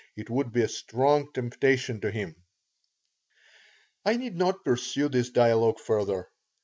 It would be a strong temptation to him. I need not pursue this dialogue further.